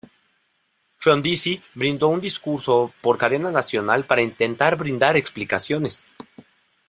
Frondizi brindó un discurso por cadena nacional para intentar brindar explicaciones.